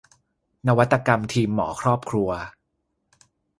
นวัตกรรมทีมหมอครอบครัว